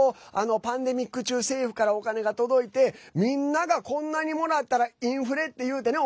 パンデミック中政府からお金が届いてみんながこんなにもらったらインフレっていうてね